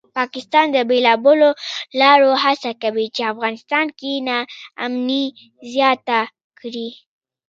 پاکستان د بېلابېلو لارو هڅه کوي چې افغانستان کې ناامني زیاته کړي